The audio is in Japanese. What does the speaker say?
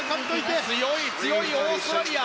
強い強いオーストラリア。